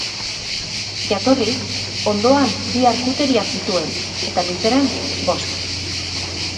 Jatorriz, hondoan bi arkuteria zituen eta luzeran bost.